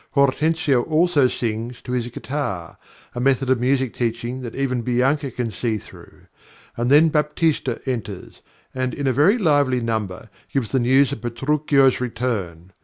Hortensio also sings to his guitar a method of music teaching that even Bianca can see through; and then Baptista enters, and, in a very lively number, gives the news of Petruchio's return.